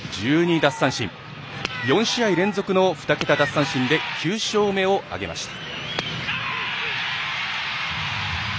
奪三振４試合連続の２桁奪三振で９勝目を挙げました。